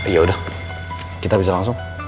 yaudah kita bisa langsung